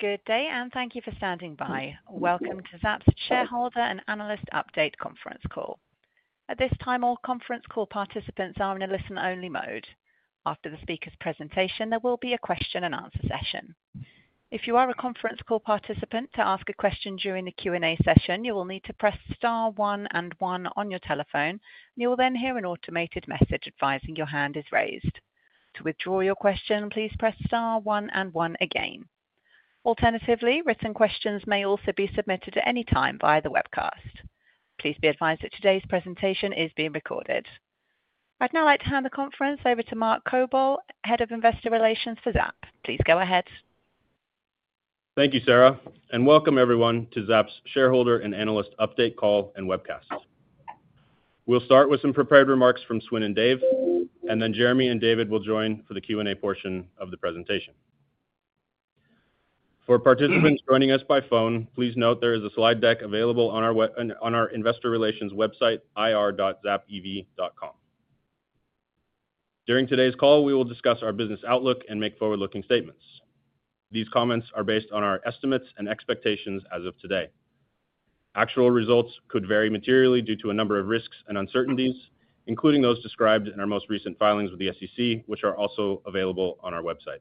Good day, and thank you for standing by. Welcome to Zapp's Shareholder and Analyst Update Conference Call. At this time, all conference call participants are in a listen-only mode. After the speaker's presentation, there will be a question-and-answer session. If you are a conference call participant to ask a question during the Q&A session, you will need to press star one and one on your telephone, and you will then hear an automated message advising your hand is raised. To withdraw your question, please press star one and one again. Alternatively, written questions may also be submitted at any time via the webcast. Please be advised that today's presentation is being recorded. I'd now like to hand the conference over to Mark Kobal, Head of Investor Relations for Zapp. Please go ahead. Thank you, Sarah, and welcome everyone to Zapp's Shareholder and Analyst Update Call and webcast. We'll start with some prepared remarks from Swin and Dave, and then Jeremy and David will join for the Q&A portion of the presentation. For participants joining us by phone, please note there is a slide deck available on our Investor Relations website, ir.zappev.com. During today's call, we will discuss our business outlook and make forward-looking statements. These comments are based on our estimates and expectations as of today. Actual results could vary materially due to a number of risks and uncertainties, including those described in our most recent filings with the SEC, which are also available on our website.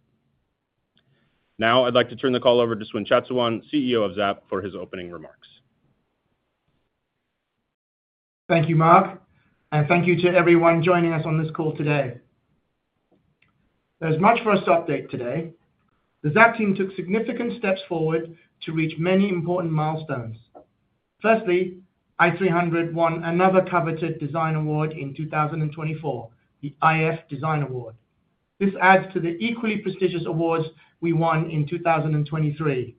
Now, I'd like to turn the call over to Swin Chatsuwan, CEO of Zapp, for his opening remarks. Thank you, Mark, and thank you to everyone joining us on this call today. There's much for us to update today. The Zapp team took significant steps forward to reach many important milestones. Firstly, i300 won another coveted design award in 2024, the iF Design Award. This adds to the equally prestigious awards we won in 2023,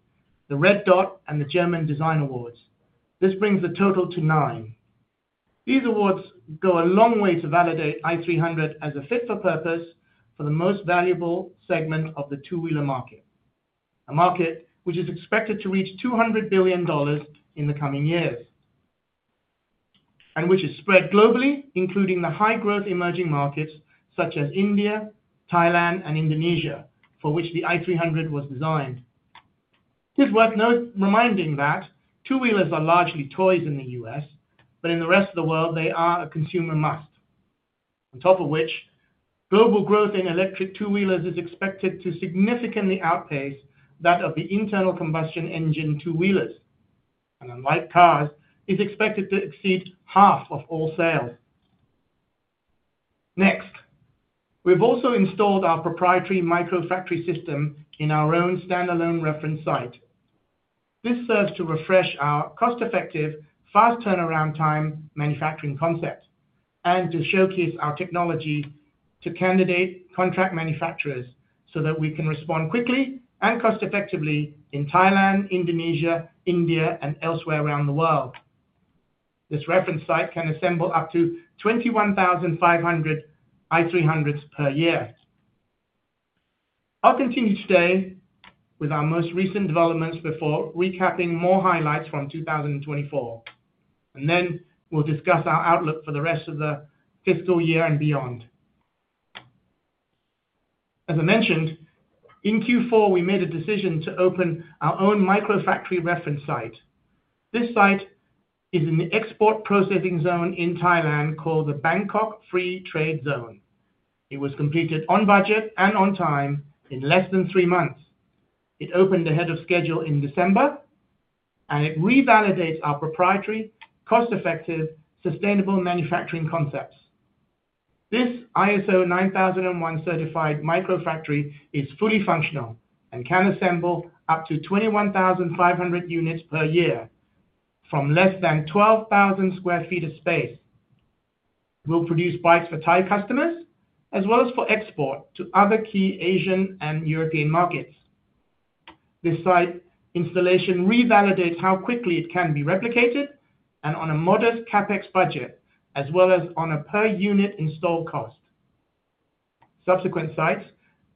the Red Dot and the German Design Awards. This brings the total to nine. These awards go a long way to validate i300 as a fit for purpose for the most valuable segment of the two-wheeler market, a market which is expected to reach $200 billion in the coming years, and which is spread globally, including the high-growth emerging markets such as India, Thailand, and Indonesia, for which the i300 was designed. It is worth reminding that two-wheelers are largely toys in the U.S., but in the rest of the world, they are a consumer must. On top of which, global growth in electric two-wheelers is expected to significantly outpace that of the internal combustion engine two-wheelers, and unlike cars, is expected to exceed half of all sales. Next, we've also installed our proprietary microfactory system in our own standalone reference site. This serves to refresh our cost-effective, fast turnaround time manufacturing concept and to showcase our technology to candidate contract manufacturers so that we can respond quickly and cost-effectively in Thailand, Indonesia, India, and elsewhere around the world. This reference site can assemble up to 21,500 i300s per year. I'll continue today with our most recent developments before recapping more highlights from 2024, and then we'll discuss our outlook for the rest of the fiscal year and beyond. As I mentioned, in Q4, we made a decision to open our own microfactory reference site. This site is in the export processing zone in Thailand called the Bangkok Free Trade Zone. It was completed on budget and on time in less than three months. It opened ahead of schedule in December, and it revalidates our proprietary, cost-effective, sustainable manufacturing concepts. This ISO 9001 certified microfactory is fully functional and can assemble up to 21,500 units per year from less than 12,000 sq ft of space. We'll produce bikes for Thai customers as well as for export to other key Asian and European markets. This site installation revalidates how quickly it can be replicated and on a modest CapEx budget, as well as on a per-unit install cost. Subsequent sites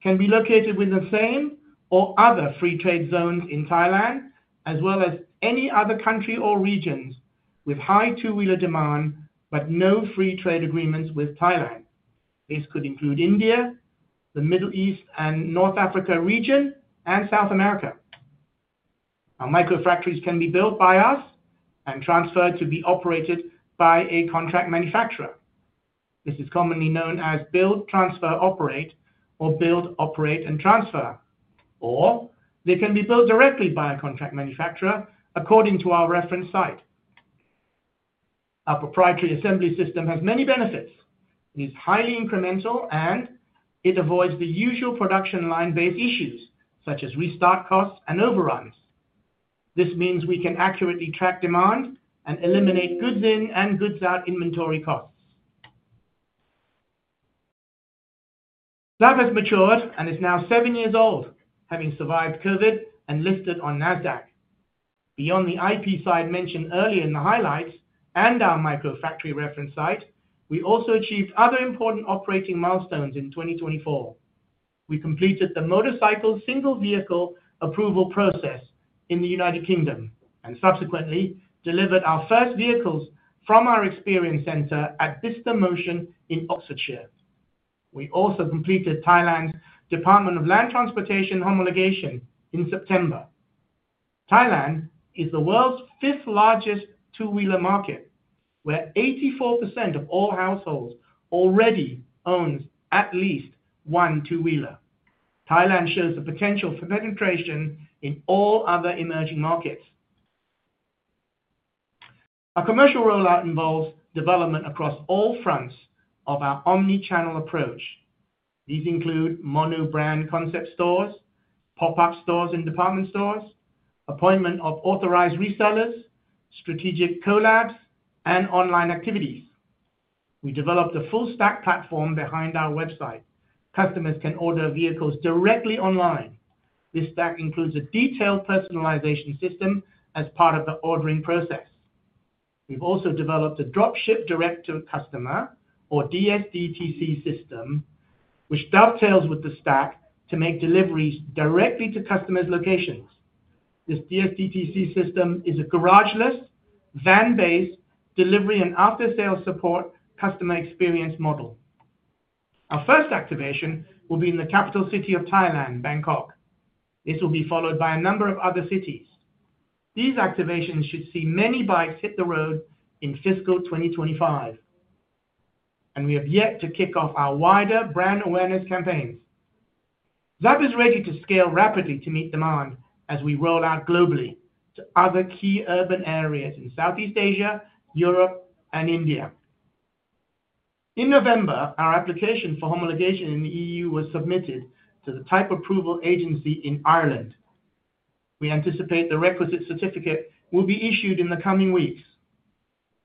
can be located within the same or other free trade zones in Thailand, as well as any other country or regions with high two-wheeler demand, but no free trade agreements with Thailand. This could include India, the Middle East and North Africa region, and South America. Our microfactories can be built by us and transferred to be operated by a contract manufacturer. This is commonly known as Build, Transfer, Operate, or Build, Operate, and Transfer, or they can be built directly by a contract manufacturer according to our reference site. Our proprietary assembly system has many benefits. It is highly incremental, and it avoids the usual production line-based issues such as restart costs and overruns. This means we can accurately track demand and eliminate goods in and goods out inventory costs. Zapp has matured and is now seven years old, having survived COVID and listed on Nasdaq. Beyond the IP side mentioned earlier in the highlights and our microfactory reference site, we also achieved other important operating milestones in 2024. We completed the motorcycle single vehicle approval process in the United Kingdom and subsequently delivered our first vehicles from our experience center at Bicester Motion in Oxfordshire. We also completed Thailand's Department of Land Transport homologation in September. Thailand is the world's fifth largest two-wheeler market, where 84% of all households already own at least one two-wheeler. Thailand shows the potential for penetration in all other emerging markets. Our commercial rollout involves development across all fronts of our omnichannel approach. These include mono-brand concept stores, pop-up stores and department stores, appointment of authorized resellers, strategic collabs, and online activities. We developed a full stack platform behind our website. Customers can order vehicles directly online. This stack includes a detailed personalization system as part of the ordering process. We've also developed a dropship direct-to-customer, or DSDTC system, which dovetails with the stack to make deliveries directly to customers' locations. This DSDTC system is a garageless, van-based delivery and after-sales support customer experience model. Our first activation will be in the capital city of Thailand, Bangkok. This will be followed by a number of other cities. These activations should see many bikes hit the road in fiscal 2025, and we have yet to kick off our wider brand awareness campaigns. Zapp is ready to scale rapidly to meet demand as we roll out globally to other key urban areas in Southeast Asia, Europe, and India. In November, our application for homologation in the EU was submitted to the Type Approval Agency in Ireland. We anticipate the requisite certificate will be issued in the coming weeks.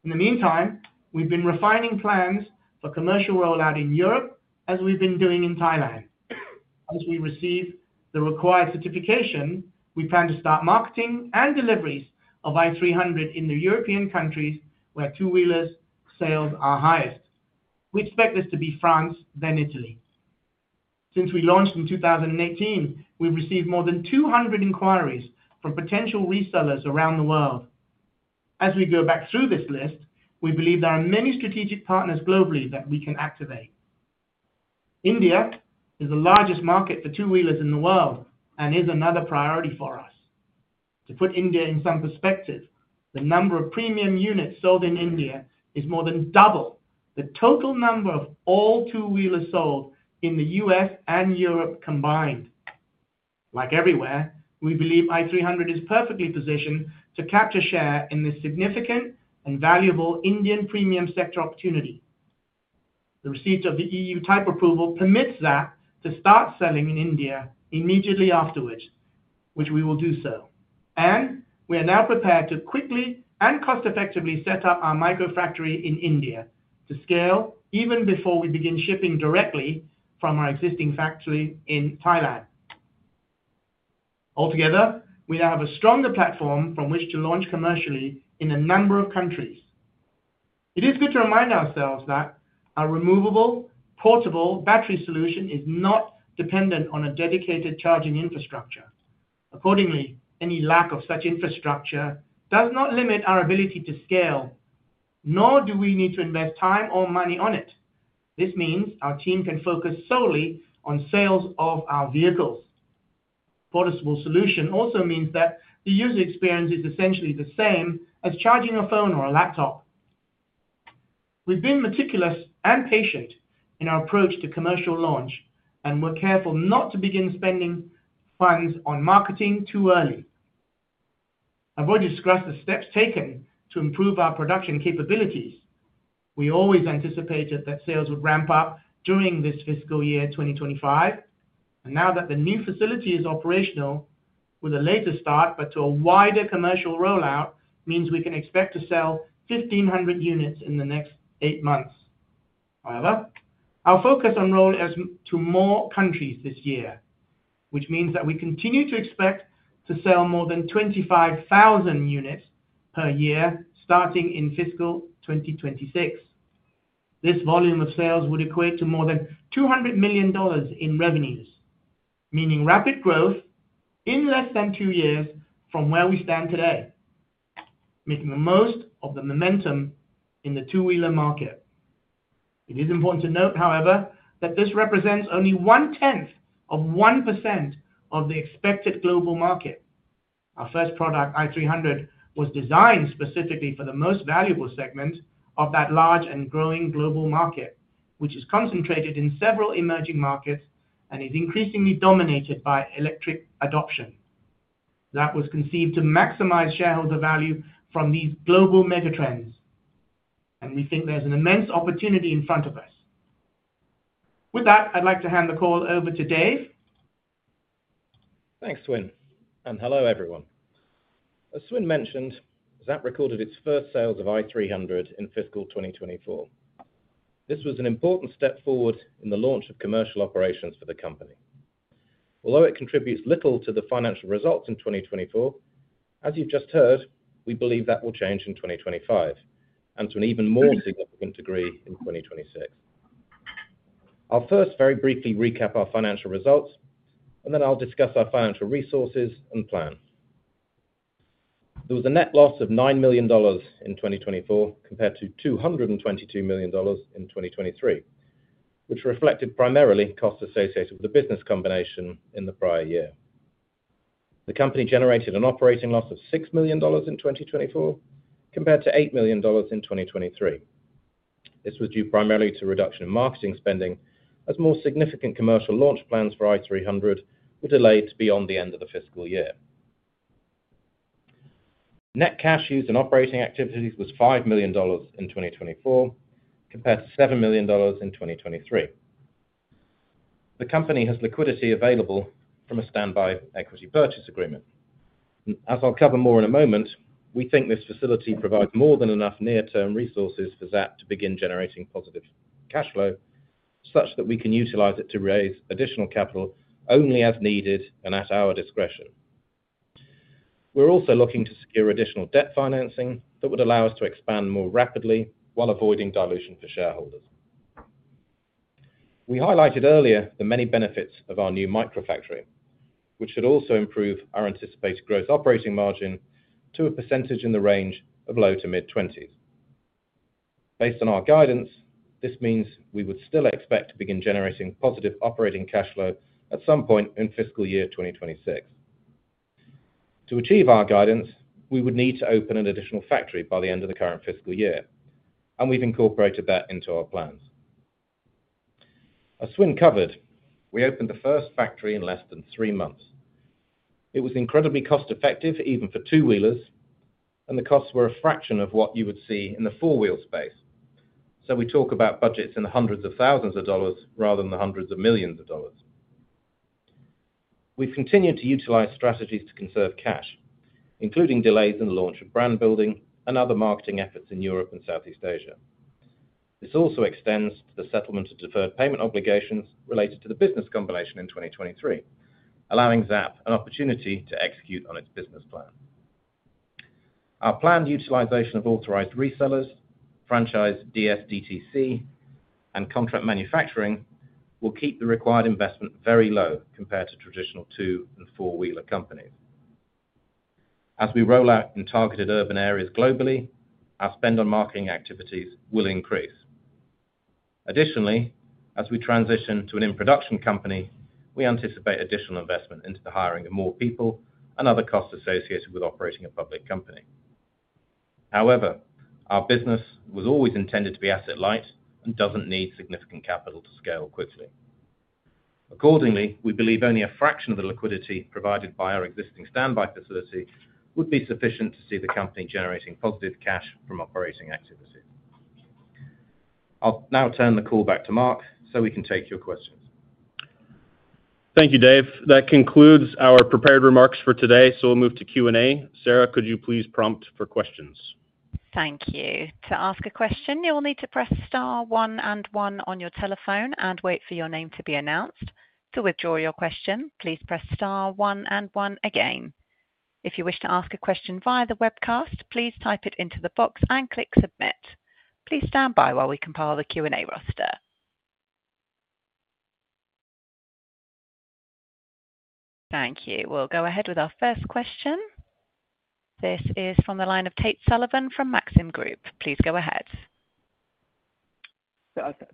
In the meantime, we've been refining plans for commercial rollout in Europe as we've been doing in Thailand. As we receive the required certification, we plan to start marketing and deliveries of i300 in the European countries where two-wheelers sales are highest. We expect this to be France, then Italy. Since we launched in 2018, we've received more than 200 inquiries from potential resellers around the world. As we go back through this list, we believe there are many strategic partners globally that we can activate. India is the largest market for two-wheelers in the world and is another priority for us. To put India in some perspective, the number of premium units sold in India is more than double the total number of all two-wheelers sold in the U.S. and Europe combined. Like everywhere, we believe i300 is perfectly positioned to capture share in this significant and valuable Indian premium sector opportunity. The receipt of the EU Type Approval permits Zapp to start selling in India immediately afterwards, which we will do so, and we are now prepared to quickly and cost-effectively set up our microfactory in India to scale even before we begin shipping directly from our existing factory in Thailand. Altogether, we now have a stronger platform from which to launch commercially in a number of countries. It is good to remind ourselves that our removable, portable battery solution is not dependent on a dedicated charging infrastructure. Accordingly, any lack of such infrastructure does not limit our ability to scale, nor do we need to invest time or money on it. This means our team can focus solely on sales of our vehicles. Portable solution also means that the user experience is essentially the same as charging a phone or a laptop. We've been meticulous and patient in our approach to commercial launch, and we're careful not to begin spending funds on marketing too early. I've already discussed the steps taken to improve our production capabilities. We always anticipated that sales would ramp up during this fiscal year 2025, and now that the new facility is operational, with a later start but to a wider commercial rollout, means we can expect to sell 1,500 units in the next eight months. However, our focus expands to more countries this year, which means that we continue to expect to sell more than 25,000 units per year starting in fiscal 2026. This volume of sales would equate to more than $200 million in revenues, meaning rapid growth in less than two years from where we stand today, making the most of the momentum in the two-wheeler market. It is important to note, however, that this represents only one-tenth of 1% of the expected global market. Our first product, i300, was designed specifically for the most valuable segment of that large and growing global market, which is concentrated in several emerging markets and is increasingly dominated by electric adoption. Zapp was conceived to maximize shareholder value from these global megatrends, and we think there's an immense opportunity in front of us. With that, I'd like to hand the call over to Dave. Thanks, Swin, and hello, everyone. As Swin mentioned, Zapp recorded its first sales of i300 in fiscal 2024. This was an important step forward in the launch of commercial operations for the company. Although it contributes little to the financial results in 2024, as you've just heard, we believe that will change in 2025 and to an even more significant degree in 2026. I'll first very briefly recap our financial results, and then I'll discuss our financial resources and plan. There was a net loss of $9 million in 2024 compared to $222 million in 2023, which reflected primarily costs associated with the business combination in the prior year. The company generated an operating loss of $6 million in 2024 compared to $8 million in 2023. This was due primarily to a reduction in marketing spending, as more significant commercial launch plans for i300 were delayed beyond the end of the fiscal year. Net cash used in operating activities was $5 million in 2024 compared to $7 million in 2023. The company has liquidity available from a standby equity purchase agreement. As I'll cover more in a moment, we think this facility provides more than enough near-term resources for Zapp to begin generating positive cash flow such that we can utilize it to raise additional capital only as needed and at our discretion. We're also looking to secure additional debt financing that would allow us to expand more rapidly while avoiding dilution for shareholders. We highlighted earlier the many benefits of our new microfactory, which should also improve our anticipated gross operating margin to a percentage in the range of low- to mid-20s%. Based on our guidance, this means we would still expect to begin generating positive operating cash flow at some point in fiscal year 2026. To achieve our guidance, we would need to open an additional factory by the end of the current fiscal year, and we've incorporated that into our plans. As Swin covered, we opened the first factory in less than three months. It was incredibly cost-effective, even for two-wheelers, and the costs were a fraction of what you would see in the four-wheel space. So we talk about budgets in the hundreds of thousands of dollars rather than the hundreds of millions of dollars. We've continued to utilize strategies to conserve cash, including delays in the launch of brand building and other marketing efforts in Europe and Southeast Asia. This also extends to the settlement of deferred payment obligations related to the business combination in 2023, allowing Zapp an opportunity to execute on its business plan. Our planned utilization of authorized resellers, franchise DSDTC, and contract manufacturing will keep the required investment very low compared to traditional two- and four-wheeler companies. As we roll out in targeted urban areas globally, our spend on marketing activities will increase. Additionally, as we transition to an in-production company, we anticipate additional investment into the hiring of more people and other costs associated with operating a public company. However, our business was always intended to be asset-light and doesn't need significant capital to scale quickly. Accordingly, we believe only a fraction of the liquidity provided by our existing standby facility would be sufficient to see the company generating positive cash from operating activity. I'll now turn the call back to Mark so we can take your questions. Thank you, Dave. That concludes our prepared remarks for today, so we'll move to Q&A. Sarah, could you please prompt for questions? Thank you. To ask a question, you will need to press star one and one on your telephone and wait for your name to be announced. To withdraw your question, please press star one and one again. If you wish to ask a question via the webcast, please type it into the box and click submit. Please stand by while we compile the Q&A roster. Thank you. We'll go ahead with our first question. This is from the line of Tate Sullivan from Maxim Group. Please go ahead.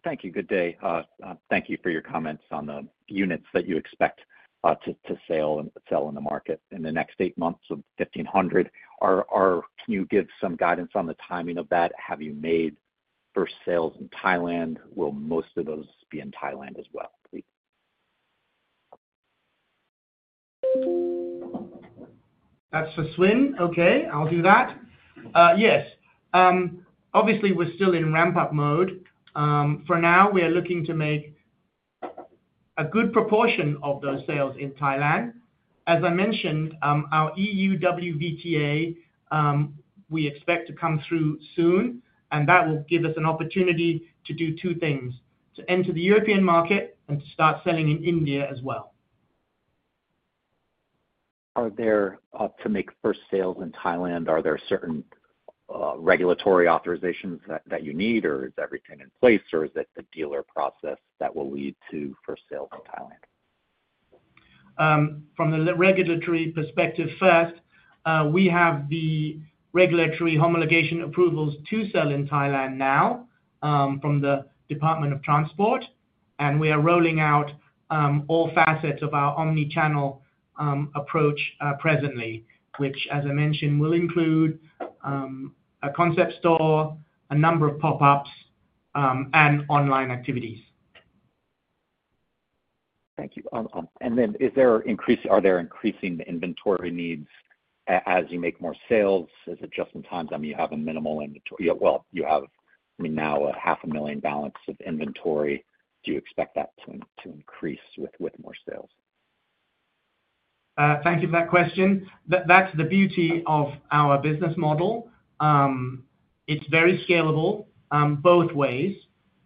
Thank you. Good day. Thank you for your comments on the units that you expect to sell in the market in the next eight months of 1,500. Can you give some guidance on the timing of that? Have you made first sales in Thailand? Will most of those be in Thailand as well, please? That's for Swin. Okay, I'll do that. Yes. Obviously, we're still in ramp-up mode. For now, we are looking to make a good proportion of those sales in Thailand. As I mentioned, our EU WVTA, we expect to come through soon, and that will give us an opportunity to do two things: to enter the European market and to start selling in India as well. Are there to make first sales in Thailand, are there certain regulatory authorizations that you need, or is everything in place, or is it the dealer process that will lead to first sales in Thailand? From the regulatory perspective first, we have the regulatory homologation approvals to sell in Thailand now from the Department of Land Transport, and we are rolling out all facets of our omnichannel approach presently, which, as I mentioned, will include a concept store, a number of pop-ups, and online activities. Thank you. And then are there increasing inventory needs as you make more sales? Is it just in times? I mean, you have a minimal inventory. Well, you have, I mean, now a $500,000 balance of inventory. Do you expect that to increase with more sales? Thank you for that question. That's the beauty of our business model. It's very scalable both ways,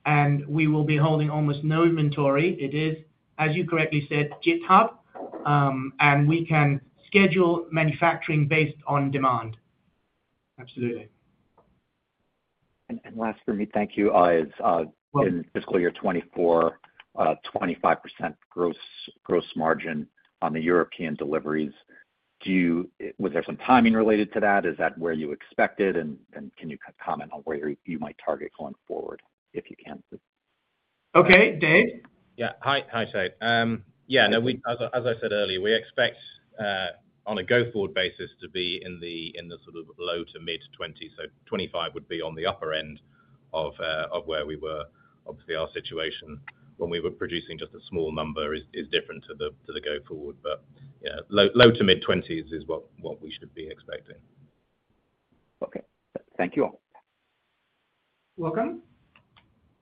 and we will be holding almost no inventory. It is, as you correctly said, DSDTC, and we can schedule manufacturing based on demand. Absolutely. Last for me, thank you. In fiscal year 2024, 25% gross margin on the European deliveries. Was there some timing related to that? Is that where you expected, and can you comment on where you might target going forward if you can? Okay, Dave? Yeah, hi, Tate. Yeah, no, as I said earlier, we expect on a go-forward basis to be in the sort of low to mid-20s. So 25 would be on the upper end of where we were. Obviously, our situation when we were producing just a small number is different to the go-forward, but low to mid-20s is what we should be expecting. Okay. Thank you all. Welcome.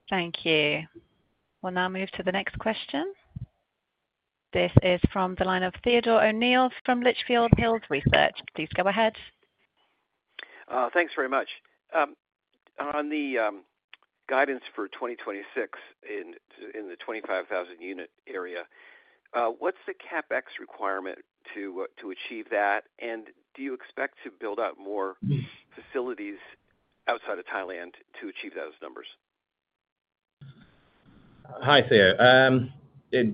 Thank you. We'll now move to the next question. This is from the line of Theodore O'Neill from Litchfield Hills Research. Please go ahead. Thanks very much. On the guidance for 2026 in the 25,000 unit area, what's the CapEx requirement to achieve that, and do you expect to build out more facilities outside of Thailand to achieve those numbers? Hi, there.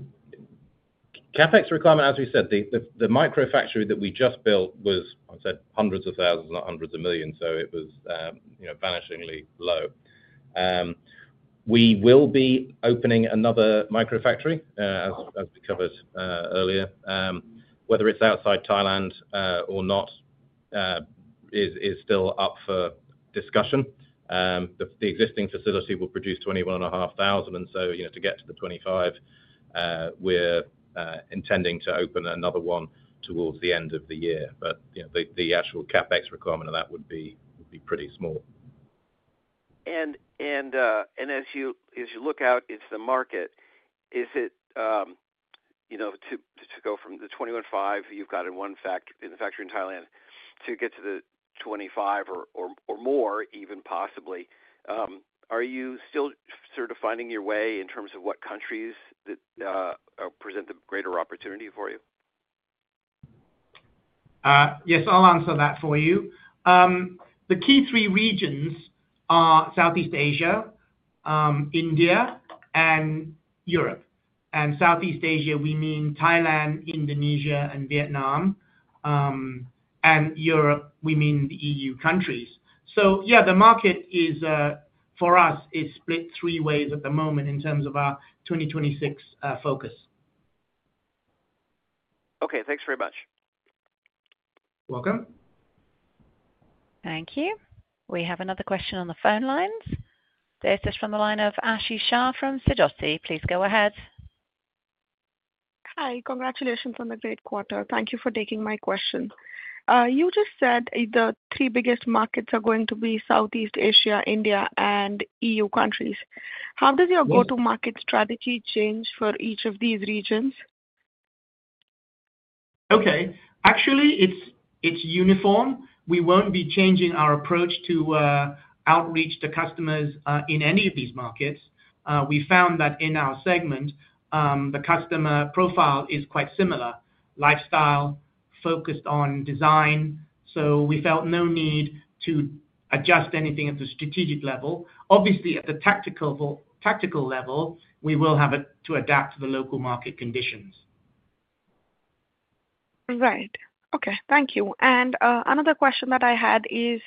CapEx requirement, as we said, the microfactory that we just built was, I'd say, hundreds of thousands, not hundreds of millions, so it was vanishingly low. We will be opening another microfactory, as we covered earlier. Whether it's outside Thailand or not is still up for discussion. The existing facility will produce 21,500, and so to get to the 25, we're intending to open another one towards the end of the year. But the actual CapEx requirement of that would be pretty small. As you look out into the market, is it to go from the 21,500 you've got in one factory in Thailand to get to the 25 or more, even possibly, are you still sort of finding your way in terms of what countries present the greater opportunity for you? Yes, I'll answer that for you. The key three regions are Southeast Asia, India, and Europe. And Southeast Asia, we mean Thailand, Indonesia, and Vietnam. And Europe, we mean the EU countries. So yeah, the market for us is split three ways at the moment in terms of our 2026 focus. Okay, thanks very much. Welcome. Thank you. We have another question on the phone lines. This is from the line of Aashi Shah from Sidoti. Please go ahead. Hi, congratulations on the great quarter. Thank you for taking my question. You just said the three biggest markets are going to be Southeast Asia, India, and EU countries. How does your go-to-market strategy change for each of these regions? Okay. Actually, it's uniform. We won't be changing our approach to outreach to customers in any of these markets. We found that in our segment, the customer profile is quite similar: lifestyle, focused on design. So we felt no need to adjust anything at the strategic level. Obviously, at the tactical level, we will have to adapt to the local market conditions. Right. Okay, thank you. And another question that I had is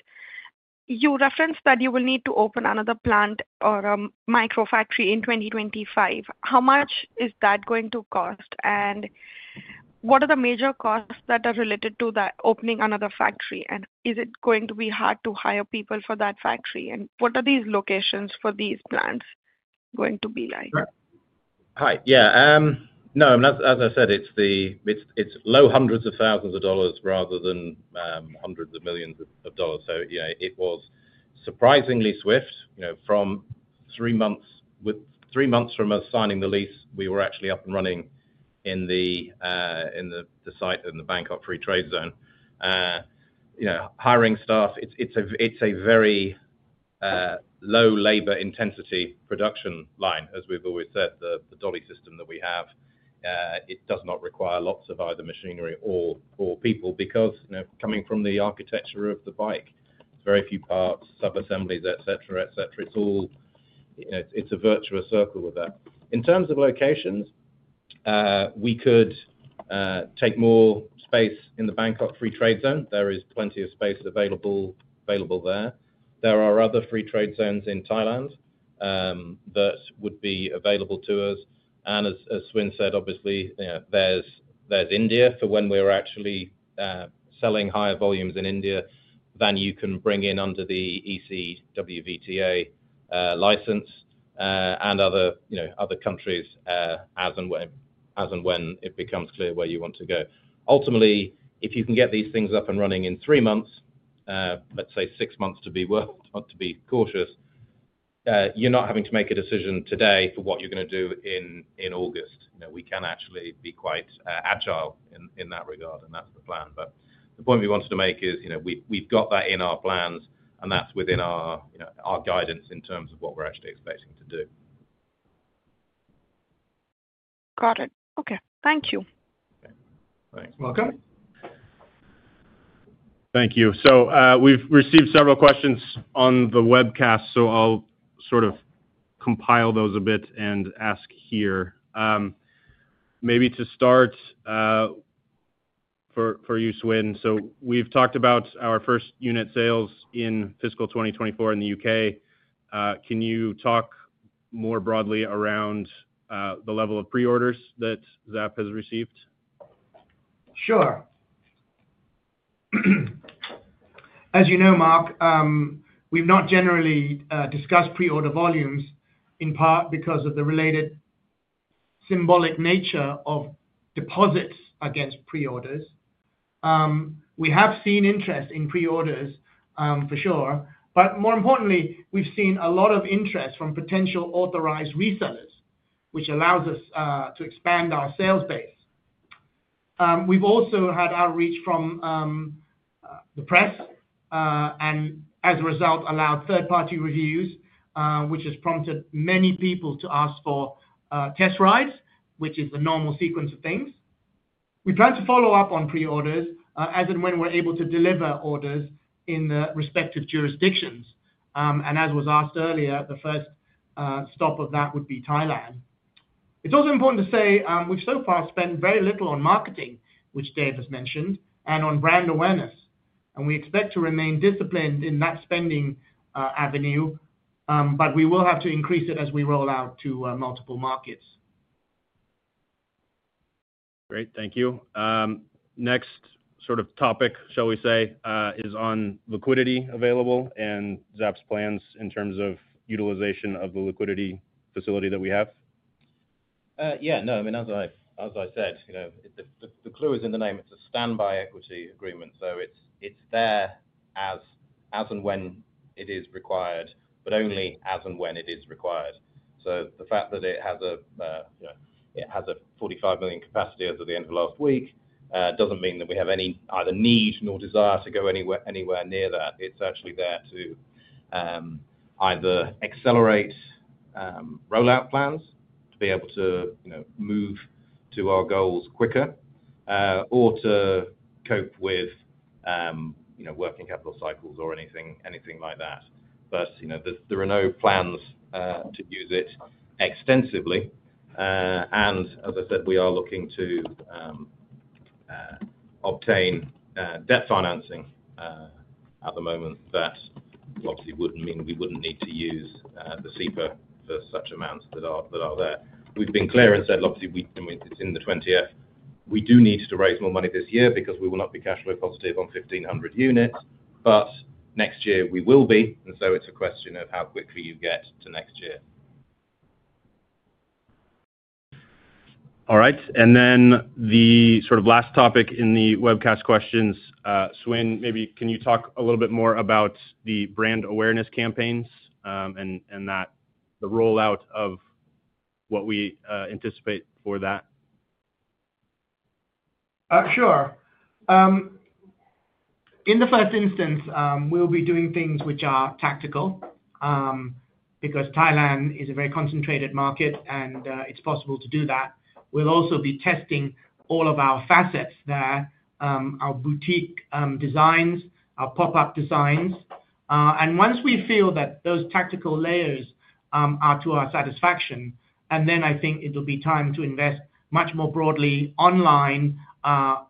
you referenced that you will need to open another plant or a microfactory in 2025. How much is that going to cost, and what are the major costs that are related to that opening another factory, and is it going to be hard to hire people for that factory, and what are these locations for these plants going to be like? Hi. Yeah. No, as I said, it's low hundreds of thousands of dollars rather than hundreds of millions of dollars. So it was surprisingly swift. From three months from us signing the lease, we were actually up and running in the site in the Bangkok Free Trade Zone. Hiring staff, it's a very low-labor-intensity production line, as we've always said. The dolly system that we have, it does not require lots of either machinery or people because coming from the architecture of the bike, very few parts, sub-assemblies, etc., etc. It's a virtuous circle with that. In terms of locations, we could take more space in the Bangkok Free Trade Zone. There is plenty of space available there. There are other free trade zones in Thailand that would be available to us. And as Swin said, obviously, there's India for when we're actually selling higher volumes in India than you can bring in under the EUWVTA license and other countries as and when it becomes clear where you want to go. Ultimately, if you can get these things up and running in three months, let's say six months to be cautious, you're not having to make a decision today for what you're going to do in August. We can actually be quite agile in that regard, and that's the plan. But the point we wanted to make is we've got that in our plans, and that's within our guidance in terms of what we're actually expecting to do. Got it. Okay, thank you. Thanks. Welcome. Thank you, so we've received several questions on the webcast, so I'll sort of compile those a bit and ask here. Maybe to start for you, Swin, so we've talked about our first unit sales in fiscal 2024 in the U.K. Can you talk more broadly around the level of pre-orders that Zapp has received? Sure. As you know, Mark, we've not generally discussed pre-order volumes in part because of the related symbolic nature of deposits against pre-orders. We have seen interest in pre-orders, for sure, but more importantly, we've seen a lot of interest from potential authorized resellers, which allows us to expand our sales base. We've also had outreach from the press and, as a result, allowed third-party reviews, which has prompted many people to ask for test rides, which is the normal sequence of things. We plan to follow up on pre-orders as and when we're able to deliver orders in the respective jurisdictions, and as was asked earlier, the first stop of that would be Thailand. It's also important to say we've so far spent very little on marketing, which Dave has mentioned, and on brand awareness. We expect to remain disciplined in that spending avenue, but we will have to increase it as we roll out to multiple markets. Great. Thank you. Next sort of topic, shall we say, is on liquidity available and Zapp's plans in terms of utilization of the liquidity facility that we have. Yeah. No, I mean, as I said, the clue is in the name. It's a standby equity agreement, so it's there as and when it is required, but only as and when it is required. So the fact that it has a $45 million capacity as of the end of last week doesn't mean that we have any either need nor desire to go anywhere near that. It's actually there to either accelerate rollout plans to be able to move to our goals quicker or to cope with working capital cycles or anything like that. But there are no plans to use it extensively. And as I said, we are looking to obtain debt financing at the moment that obviously would mean we wouldn't need to use the SEPA for such amounts that are there. We've been clear and said, obviously, it's in the 20-F. We do need to raise more money this year because we will not be cash flow positive on 1,500 units, but next year we will be, and so it's a question of how quickly you get to next year. All right. And then the sort of last topic in the webcast questions, Swin, maybe can you talk a little bit more about the brand awareness campaigns and the rollout of what we anticipate for that? Sure. In the first instance, we'll be doing things which are tactical because Thailand is a very concentrated market, and it's possible to do that. We'll also be testing all of our facets there, our boutique designs, our pop-up designs, and once we feel that those tactical layers are to our satisfaction, and then I think it'll be time to invest much more broadly online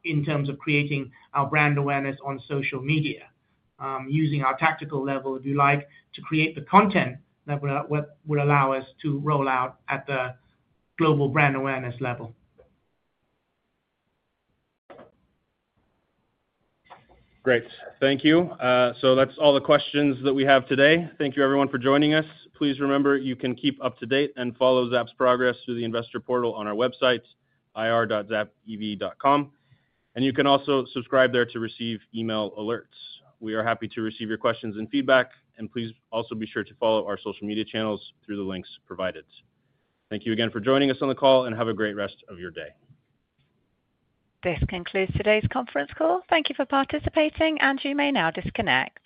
in terms of creating our brand awareness on social media using our tactical level, if you like, to create the content that would allow us to roll out at the global brand awareness level. Great. Thank you. So that's all the questions that we have today. Thank you, everyone, for joining us. Please remember, you can keep up to date and follow Zapp's progress through the investor portal on our website, ir-zappev.com. And you can also subscribe there to receive email alerts. We are happy to receive your questions and feedback, and please also be sure to follow our social media channels through the links provided. Thank you again for joining us on the call, and have a great rest of your day. This concludes today's conference call. Thank you for participating, and you may now disconnect.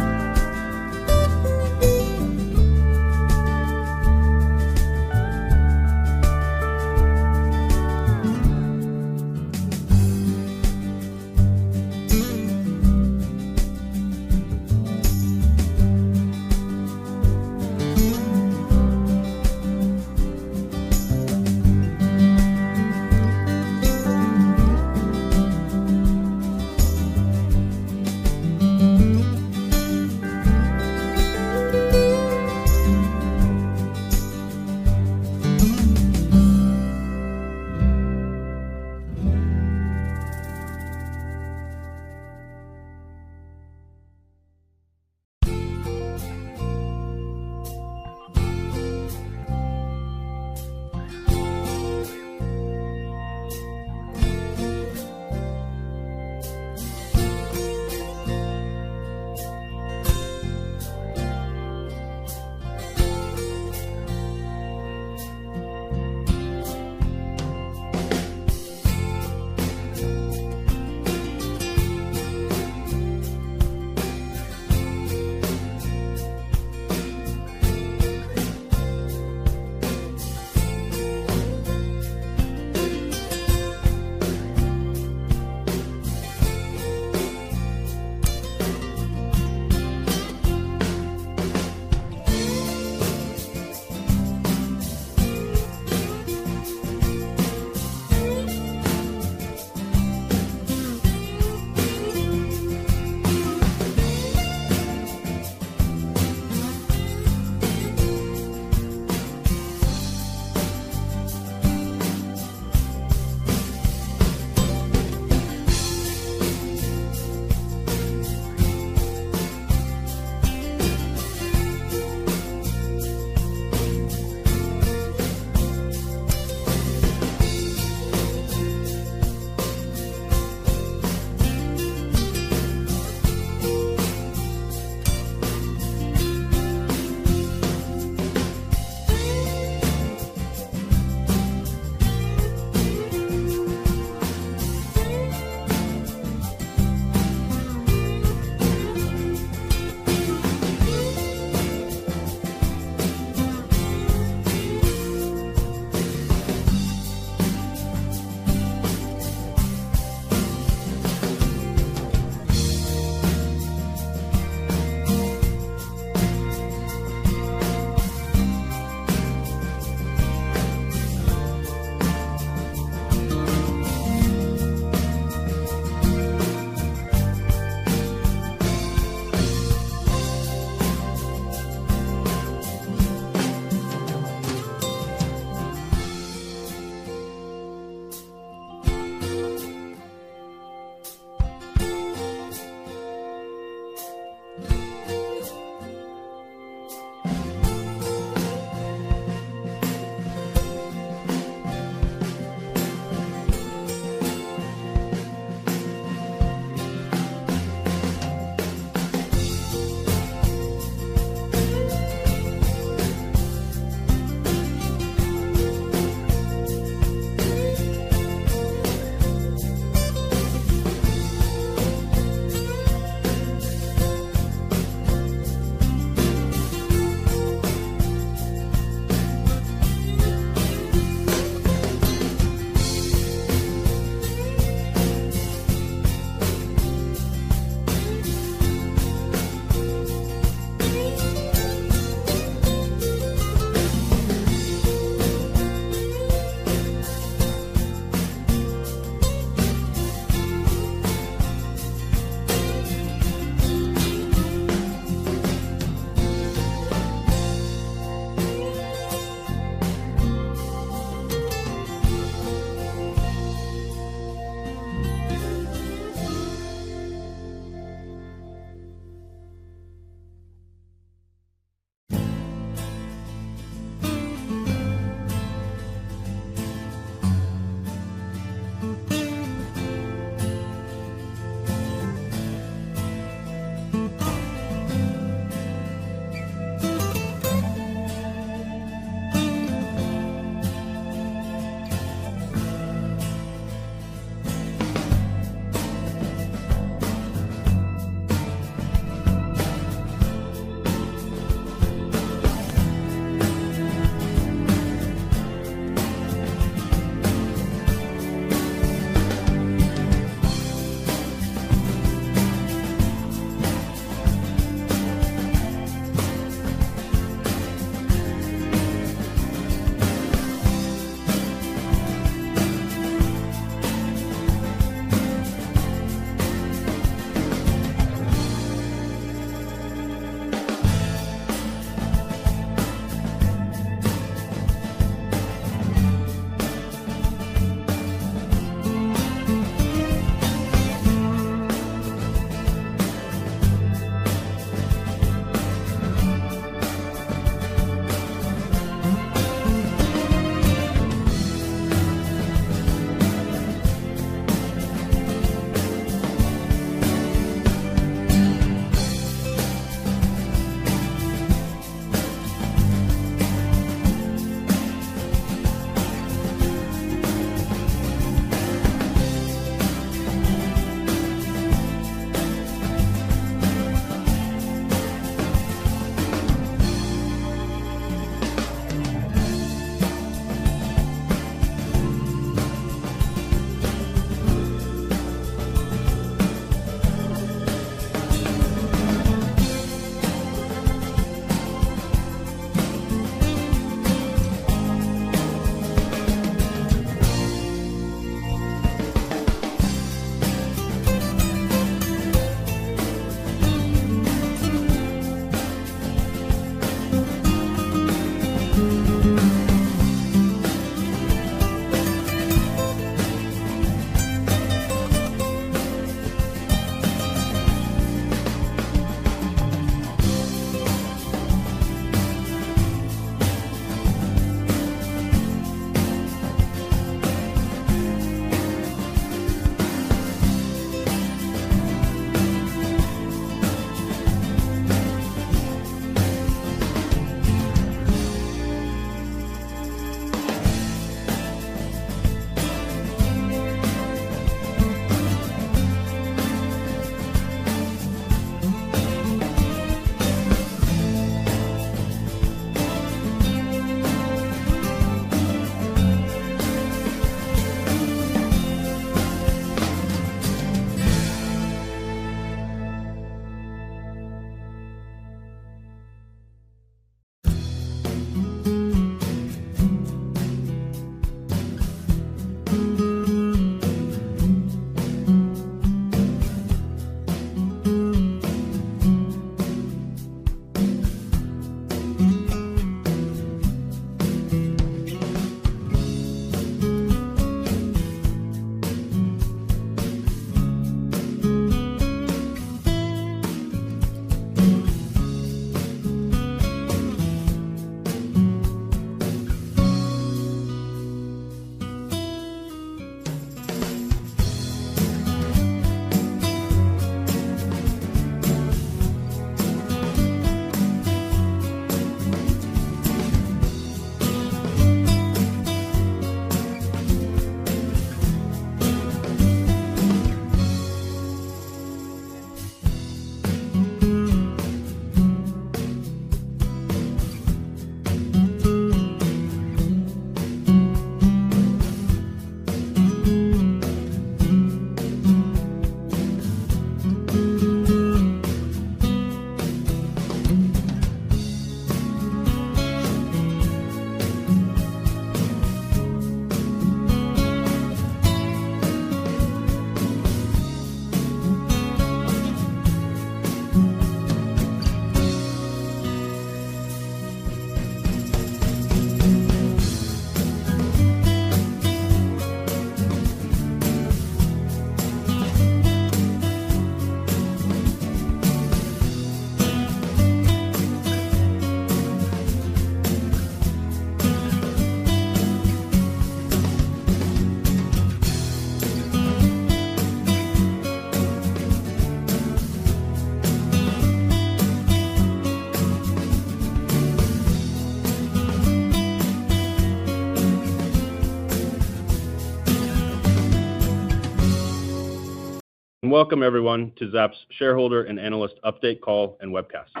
Welcome, everyone, to Zapp's Shareholder and Analyst Update Call and Webcast.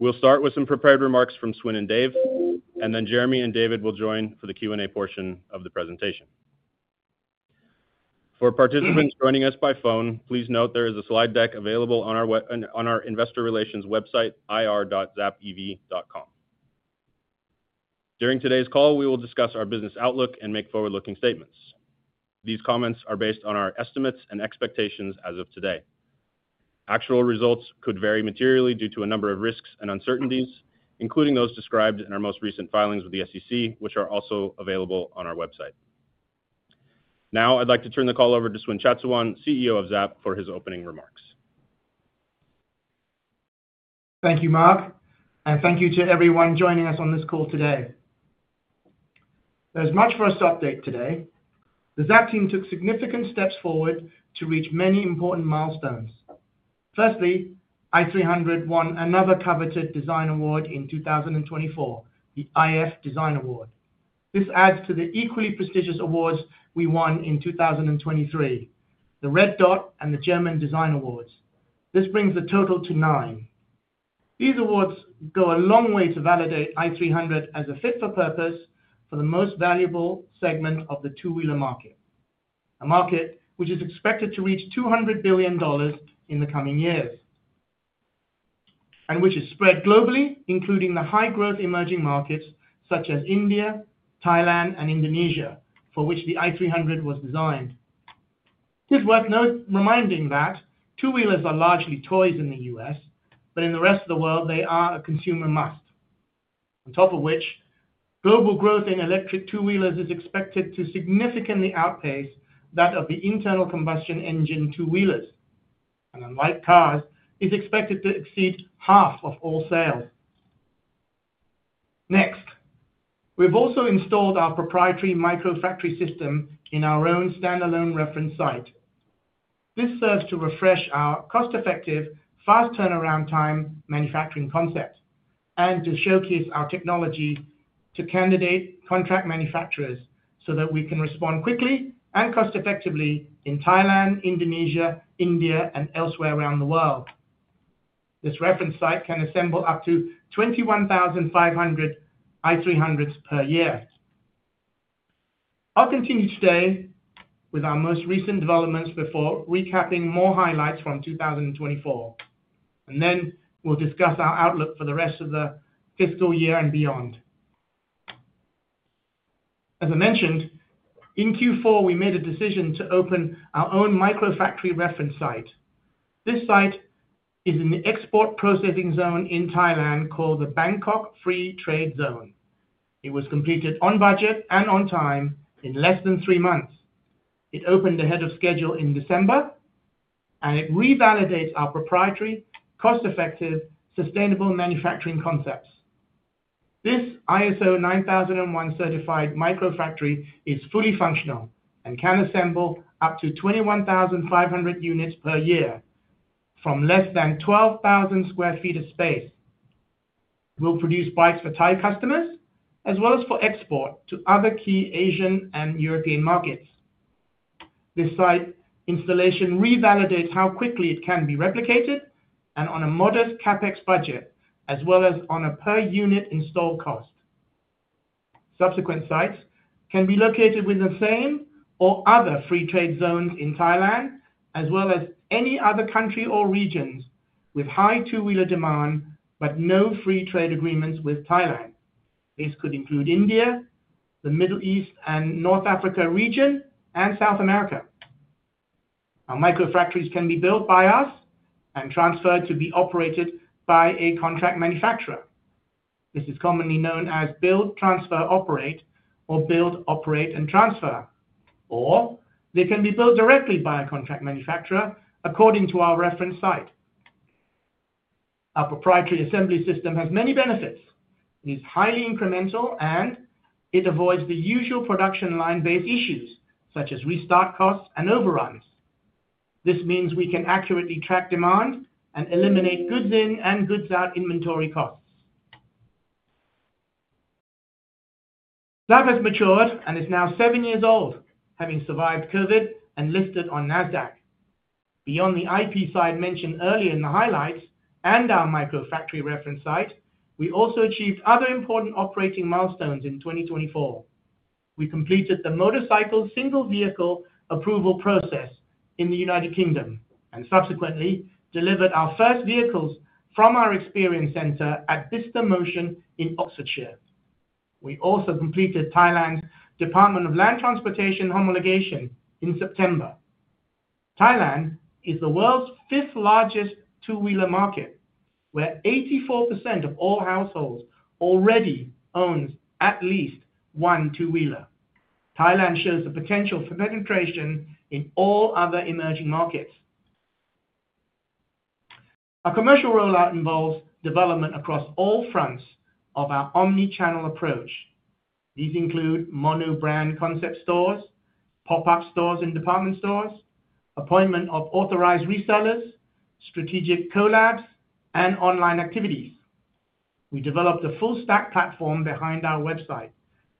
We'll start with some prepared remarks from Swin and Dave, and then Jeremy and David will join for the Q&A portion of the presentation. For participants joining us by phone, please note there is a slide deck available on our Investor Relations website, ir-zappev.com. During today's call, we will discuss our business outlook and make forward-looking statements. These comments are based on our estimates and expectations as of today. Actual results could vary materially due to a number of risks and uncertainties, including those described in our most recent filings with the SEC, which are also available on our website. Now, I'd like to turn the call over to Swin Chatsuwan, CEO of Zapp, for his opening remarks. Thank you, Mark, and thank you to everyone joining us on this call today. There's much for us to update today. The Zapp team took significant steps forward to reach many important milestones. First, i300 won another coveted design award in 2024, the iF Design Award. This adds to the equally prestigious awards we won in 2023, the Red Dot and the German Design Awards. This brings the total to nine. These awards go a long way to validate i300 as a fit for purpose for the most valuable segment of the two-wheeler market, a market which is expected to reach $200 billion in the coming years, and which is spread globally, including the high-growth emerging markets such as India, Thailand, and Indonesia, for which the i300 was designed. It's worth reminding that two-wheelers are largely toys in the U.S., but in the rest of the world, they are a consumer must. On top of which, global growth in electric two-wheelers is expected to significantly outpace that of the internal combustion engine two-wheelers, and unlike cars, is expected to exceed half of all sales. Next, we've also installed our proprietary microfactory system in our own standalone reference site. This serves to refresh our cost-effective, fast turnaround time manufacturing concept and to showcase our technology to candidate contract manufacturers so that we can respond quickly and cost-effectively in Thailand, Indonesia, India, and elsewhere around the world. This reference site can assemble up to 21,500 i300s per year. I'll continue today with our most recent developments before recapping more highlights from 2024, and then we'll discuss our outlook for the rest of the fiscal year and beyond. As I mentioned, in Q4, we made a decision to open our own microfactory reference site. This site is in the export processing zone in Thailand called the Bangkok Free Trade Zone. It was completed on budget and on time in less than three months. It opened ahead of schedule in December, and it revalidates our proprietary, cost-effective, sustainable manufacturing concepts. This ISO 9001 certified microfactory is fully functional and can assemble up to 21,500 units per year from less than 12,000 sq ft of space. We'll produce bikes for Thai customers as well as for export to other key Asian and European markets. This site installation revalidates how quickly it can be replicated and on a modest CapEx budget, as well as on a per-unit install cost. Subsequent sites can be located within the same or other free trade zones in Thailand, as well as any other country or regions with high two-wheeler demand, but no free trade agreements with Thailand. This could include India, the Middle East and North Africa region, and South America. Our microfactories can be built by us and transferred to be operated by a contract manufacturer. This is commonly known as build, transfer, operate, or build, operate, and transfer, or they can be built directly by a contract manufacturer according to our reference site. Our proprietary assembly system has many benefits. It is highly incremental, and it avoids the usual production line-based issues such as restart costs and overruns. This means we can accurately track demand and eliminate goods in and goods out inventory costs. Zapp has matured and is now seven years old, having survived COVID and listed on Nasdaq. Beyond the IP side mentioned earlier in the highlights and our microfactory reference site, we also achieved other important operating milestones in 2024. We completed the motorcycle single vehicle approval process in the United Kingdom and subsequently delivered our first vehicles from our experience center at Bicester Motion in Oxfordshire. We also completed Thailand's Department of Land Transport homologation in September. Thailand is the world's fifth largest two-wheeler market, where 84% of all households already own at least one two-wheeler. Thailand shows the potential for penetration in all other emerging markets. Our commercial rollout involves development across all fronts of our omnichannel approach. These include mono brand concept stores, pop-up stores and department stores, appointment of authorized resellers, strategic collabs, and online activities. We developed a full stack platform behind our website.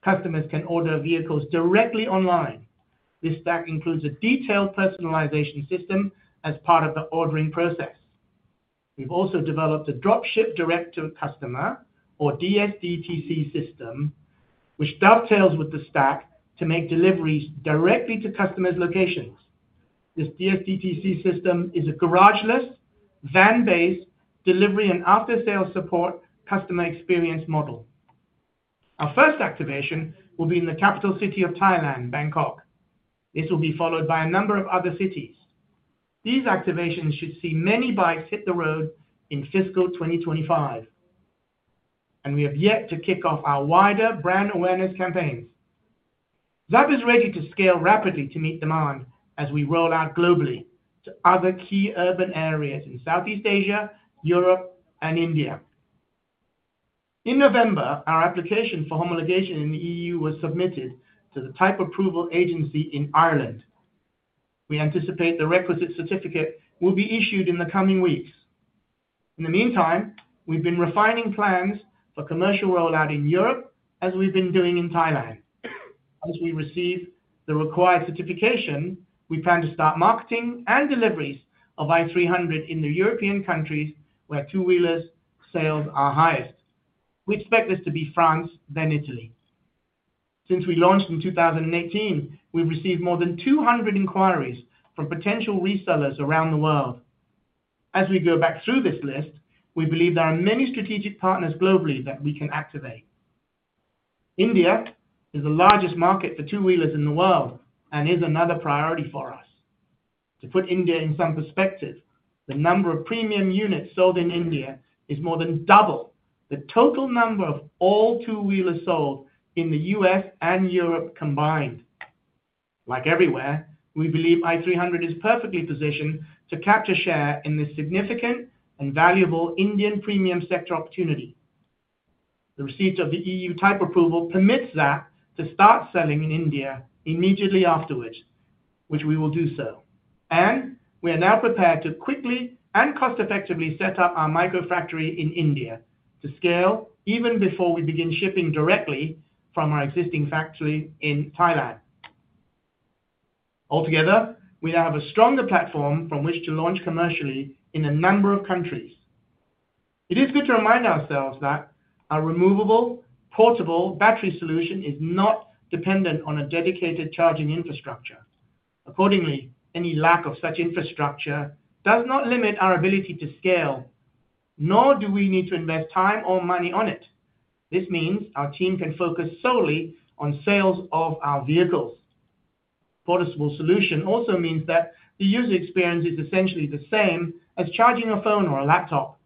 Customers can order vehicles directly online. This stack includes a detailed personalization system as part of the ordering process. We've also developed a dropship direct-to-customer or DSDTC system, which dovetails with the stack to make deliveries directly to customers' locations. This DSDTC system is a garageless, van-based delivery and after-sales support customer experience model. Our first activation will be in the capital city of Thailand, Bangkok. This will be followed by a number of other cities. These activations should see many bikes hit the road in fiscal 2025, and we have yet to kick off our wider brand awareness campaigns. Zapp is ready to scale rapidly to meet demand as we roll out globally to other key urban areas in Southeast Asia, Europe, and India. In November, our application for homologation in the EU was submitted to the Type Approval Agency in Ireland. We anticipate the requisite certificate will be issued in the coming weeks. In the meantime, we've been refining plans for commercial rollout in Europe as we've been doing in Thailand. As we receive the required certification, we plan to start marketing and deliveries of i300 in the European countries where two-wheelers sales are highest. We expect this to be France, then Italy. Since we launched in 2018, we've received more than 200 inquiries from potential resellers around the world. As we go back through this list, we believe there are many strategic partners globally that we can activate. India is the largest market for two-wheelers in the world and is another priority for us. To put India in some perspective, the number of premium units sold in India is more than double the total number of all two-wheelers sold in the U.S. and Europe combined Like everywhere, we believe i300 is perfectly positioned to capture share in this significant and valuable Indian premium sector opportunity. The receipt of the EU Type Approval permits Zapp to start selling in India immediately afterwards, which we will do so. And we are now prepared to quickly and cost-effectively set up our microfactory in India to scale even before we begin shipping directly from our existing factory in Thailand. Altogether, we now have a stronger platform from which to launch commercially in a number of countries. It is good to remind ourselves that our removable, portable battery solution is not dependent on a dedicated charging infrastructure. Accordingly, any lack of such infrastructure does not limit our ability to scale, nor do we need to invest time or money on it. This means our team can focus solely on sales of our vehicles. Portable solution also means that the user experience is essentially the same as charging a phone or a laptop.